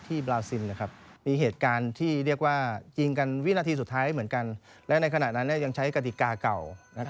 ใช้กระดิกาเก่านะกรกาลิตการ้านที่เรียกว่าจริงกันวินาทีสุดท้ายเหมือนกันและในขณะนั้นเนี่ยยังใช้กฎิกามันก่อน